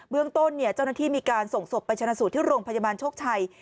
เรื่องต้นเจ้าหน้าที่มีการส่งศพไปชนะสูตรที่โรงพยาบาลโชคชัย